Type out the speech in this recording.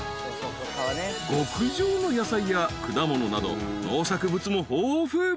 ［極上の野菜や果物など農作物も豊富］